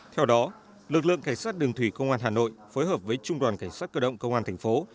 theo đó lực lượng cảnh sát đường thủy công an hà nội phối hợp với trung đoàn cảnh sát cơ động công an thành phố